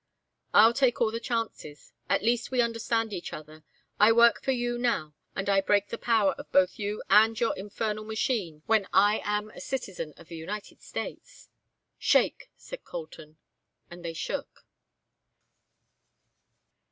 "I'll take all the chances. At least we understand each other. I work for you now, and I break the power of both you and your infernal machine when I am a citizen of the United States." "Shake," said Colton. And they shook.